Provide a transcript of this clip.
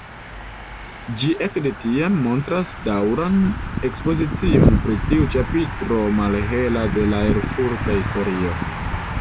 Ĝi ekde tiam montras daŭran ekspozicion pri tiu ĉapitro malhela de la erfurta historio.